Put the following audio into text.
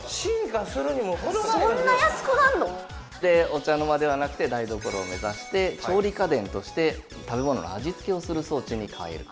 お茶の間ではなくて台所を目指して調理家電として食べ物の味付けをする装置に変える。